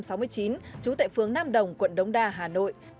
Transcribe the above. trước năm một nghìn chín trăm sáu mươi chín trú tại phương nam đồng quận đống đa hà nội